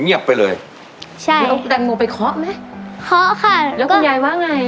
เงียบไปเลยใช่แล้วแตงโมไปเคาะไหมเคาะค่ะแล้วคุณยายว่าไง